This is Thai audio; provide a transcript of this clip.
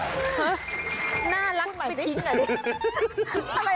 ผมเพิ่งรู้ตัวผมเป็นน่ารักได้ทำไม